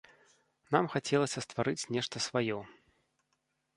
Нам хацелася стварыць нешта сваё.